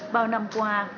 bao năm qua